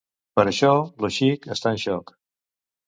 Per això lo xic està en xoc.